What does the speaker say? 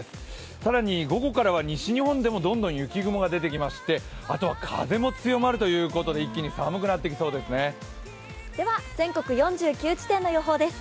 さらに午後からは西日本でもどんどん雪雲が出てきまして、あとは風も強まるということで一気に寒くなってきそうですね。